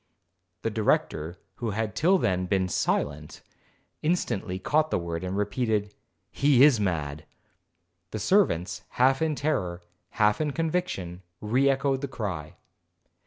The Director, who had till then been silent, instantly caught the word, and repeated, 'He is mad.' The servants, half in terror, half in conviction, re echoed the cry.